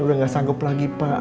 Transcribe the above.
udah gak sanggup lagi pak